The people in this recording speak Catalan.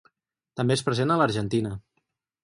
També és present a l'Argentina.